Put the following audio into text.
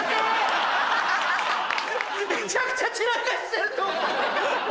めちゃくちゃ散らかしてると思った。